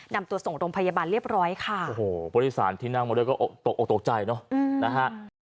นำตัวส่งโดมพยาบาลเรียบร้อยค่ะโอ้โหบริษัทที่นั่งมาแล้วก็ออกตกใจเนอะอืมนะฮะ